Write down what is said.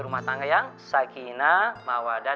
rumah tangga yang sakina mawadah